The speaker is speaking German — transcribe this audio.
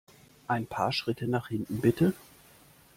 Ein paar Schritte nach hinten, bitte!